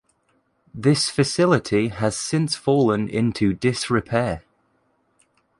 This facility has since fallen into disrepair.